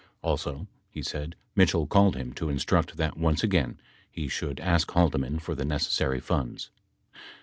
Also, he said, Mitchell called him to instruct that once again he should ask Haldeman for the necessary funds.